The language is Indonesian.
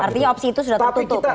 artinya opsi itu sudah tertutup